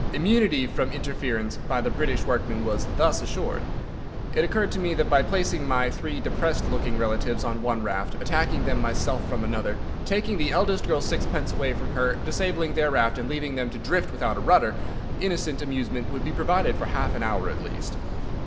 Immunity from interference by the British workman was thus assured. It occurred to me that by placing my three depressed looking relatives on one raft, attacking them myself from another, taking the eldest girl's sixpence away from her, disabling their raft, and leaving them to drift without a rudder, innocent amusement would be provided for half an hour at least.